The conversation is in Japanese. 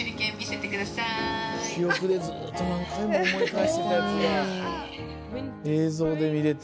記憶でずっと何回も思い返してたやつが映像で見れて。